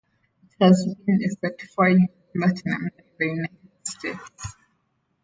It has been certified platinum in the United States.